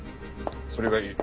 それがいい。